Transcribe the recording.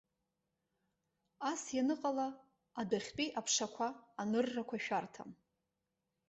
Ас ианыҟала, адәахьтәи аԥшақәа, аныррақәа шәарҭам.